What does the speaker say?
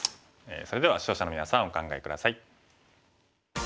それでは視聴者のみなさんお考え下さい。